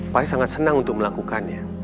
pak is sangat senang untuk melakukannya